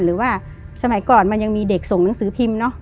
หรือว่าสมัยก่อนมันยังมีเด็กส่งหนังสือพิมพ์เนอะ